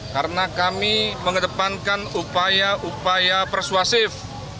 karena kami mengedepankan upaya upaya persuasif